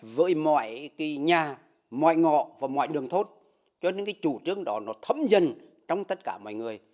với mọi cái nhà mọi ngọ và mọi đường thốt cho nên cái chủ trương đó nó thấm dần trong tất cả mọi người